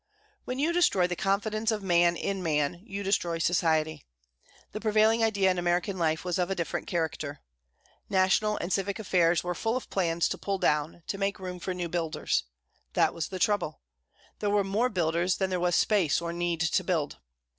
When you destroy the confidence of man in man, you destroy society. The prevailing idea in American life was of a different character. National and civic affairs were full of plans to pull down, to make room for new builders. That was the trouble. There were more builders than there was space or need to build.